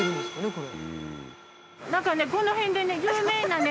これ。